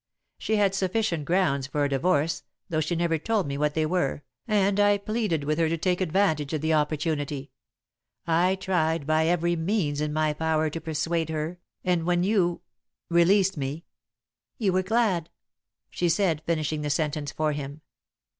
She had sufficient grounds for a divorce, though she never told me what they were, and I pleaded with her to take advantage of the opportunity. I tried by every means in my power to persuade her, and when you released me " "You were glad," she said, finishing the sentence for him.